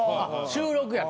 収録。